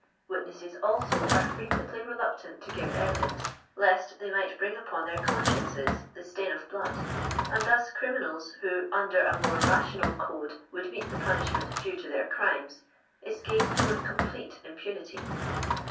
Witnesses also are frequently reluctant to give evidence, lest they might bring upon their consciences the stain of blood, and thus criminals who under a more rational code would meet the punishment due to their crimes, escape with complete impunity."